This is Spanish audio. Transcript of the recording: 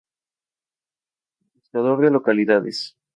Se encuentra en su antigua residencia e imprenta en el Mercado del Viernes.